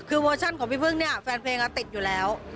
คือเวอร์ชันของพี่พึ่งเนี่ยแฟนเพลงติดอยู่แล้ว